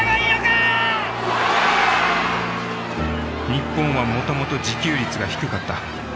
日本はもともと自給率が低かった。